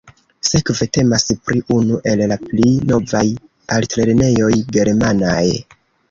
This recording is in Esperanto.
Sekve temas pri unu el la pli novaj altlernejoj germanaj.